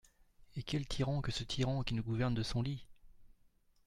Et quel tyran que ce tyran qui nous gouverne de son lit !